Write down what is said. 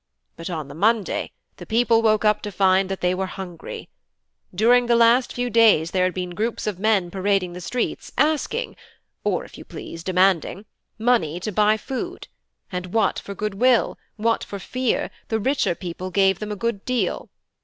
But on the Monday the people woke up to find that they were hungry. During the last few days there had been groups of men parading the streets asking (or, if you please, demanding) money to buy food; and what for goodwill, what for fear, the richer people gave them a good deal.